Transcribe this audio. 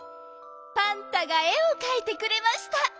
パンタがえをかいてくれました。